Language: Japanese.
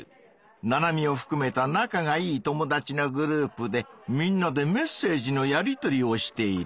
ナナミをふくめた仲がいい友達のグループでみんなでメッセージのやり取りをしている。